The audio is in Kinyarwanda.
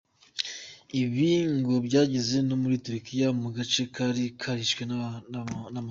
Ibi ngo byageze no muri Turikiya, mu gace kari karishwe n’amapfa.